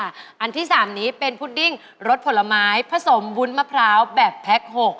อันที่๓นี้เป็นพุดดิ้งรสผลไม้ผสมวุ้นมะพร้าวแบบแพ็ค๖